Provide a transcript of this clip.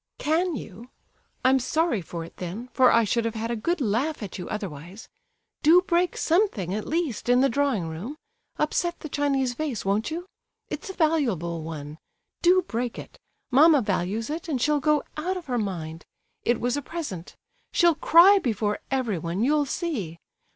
"Can you? I'm sorry for it then, for I should have had a good laugh at you otherwise. Do break something at least, in the drawing room! Upset the Chinese vase, won't you? It's a valuable one; do break it. Mamma values it, and she'll go out of her mind—it was a present. She'll cry before everyone, you'll see!